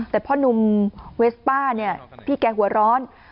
แต่พ่อนุ่มเวสป้าเนี่ยพี่แกหัวร้อน